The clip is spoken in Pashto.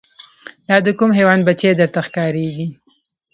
دا د کوم حیوان بچی درته ښکاریږي